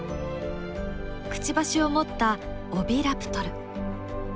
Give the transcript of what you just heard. くちばしを持ったオヴィラプトル。